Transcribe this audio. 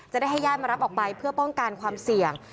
จะได้ให้ญาติมารับออกไปเพื่อป้องกันความเสี่ยง